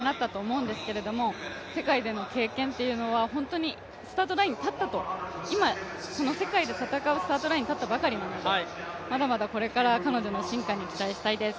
非常に高いレベルでの試合になったと思うんですけど、世界での経験っていうのはスタートラインに立ったと、今、その世界で戦うスタートラインに立ったばかりなので、彼女の進化に期待したいです。